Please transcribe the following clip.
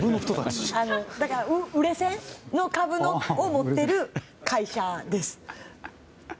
売れ線の株を持っている会社です。